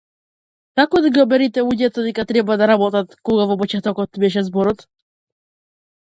Како да ги убедите луѓето дека треба да работат, кога во почетокот беше зборот?